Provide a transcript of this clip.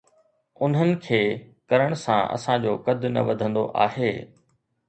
انهن کي ڪرڻ سان اسان جو قد نه وڌندو آهي.